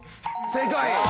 正解。